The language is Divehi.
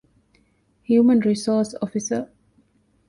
ހިއުމަންރިސޯސް އޮފިސަރ